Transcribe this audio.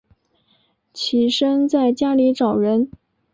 起身在家里找人